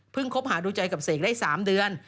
คบหาดูใจกับเสกได้๓เดือน